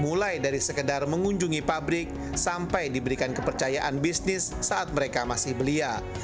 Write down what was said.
mulai dari sekedar mengunjungi pabrik sampai diberikan kepercayaan bisnis saat mereka masih belia